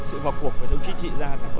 sự vào cuộc về chống trí trị ra